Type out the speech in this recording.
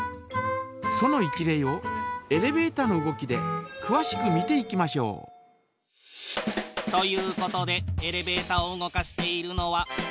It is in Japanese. その一例をエレベータの動きでくわしく見ていきましょう。ということでエレベータを動かしているのは。